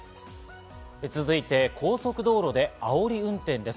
続いて高速道路であおり運転です。